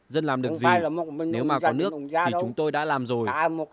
dân làm được gì nếu mà có nước thì chúng tôi đã làm rồi